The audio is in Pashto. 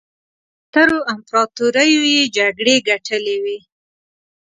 له سترو امپراطوریو یې جګړې ګټلې وې.